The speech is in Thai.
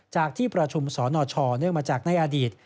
ที่ประชุมสนชเนื่องมาจากในอดีต